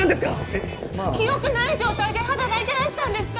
えっまあ記憶ない状態で働いてらしたんですか？